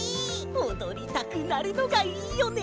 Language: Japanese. おどりたくなるのがいいよね！